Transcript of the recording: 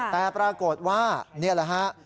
แต่ปรากฏว่านี่แหละฮะ